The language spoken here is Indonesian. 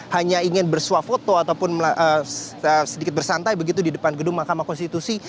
hanya ingin bersuah foto ataupun sedikit bersantai begitu di depan gedung mahkamah konstitusi